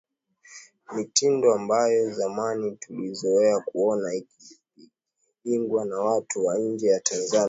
Mitindo ambayo zamani tulizoea kuona ikipigwa na watu wa nje ya Tanzania